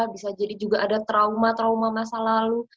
bisa jadi juga ada trauma trauma masa lalu